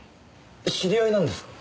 知り合いなんですか？